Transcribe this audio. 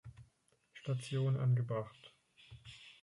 Station angebracht.